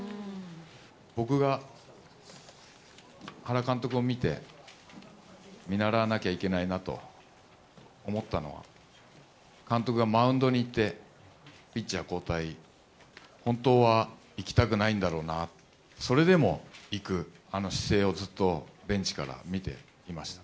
僕が原監督を見て、見習わなきゃいけないなと思ったのは、監督がマウンドに行って、ピッチャー交代、本当は行きたくないんだろうな、それでも行く、あの姿勢をずっとベンチから見ていました。